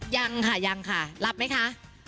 ยังค่ะยังค่ะรับไหมคะ